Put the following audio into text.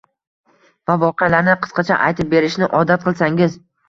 va voqealarni qisqacha aytib berishni odat qilsangiz.